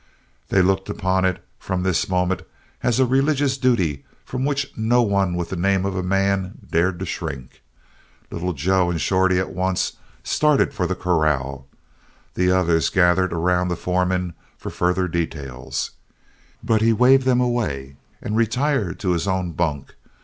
They looked upon it, from this moment, as a religious duty from which no one with the name of a man dared to shrink. Little Joe and Shorty at once started for the corral. The others gathered around the foreman for further details, but he waved them away and retired to his own bunk.